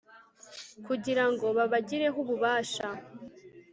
kugira ngo babagireho ububasha